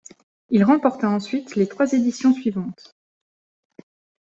Il remporta ensuite les trois éditions suivantes.